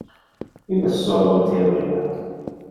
Il es solo un theoria.